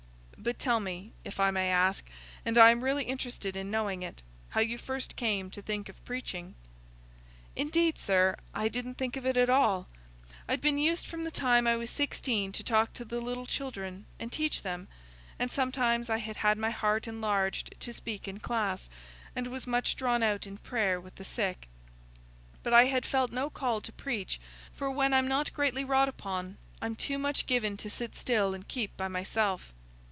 '" "But tell me—if I may ask, and I am really interested in knowing it—how you first came to think of preaching?" "Indeed, sir, I didn't think of it at all—I'd been used from the time I was sixteen to talk to the little children, and teach them, and sometimes I had had my heart enlarged to speak in class, and was much drawn out in prayer with the sick. But I had felt no call to preach, for when I'm not greatly wrought upon, I'm too much given to sit still and keep by myself.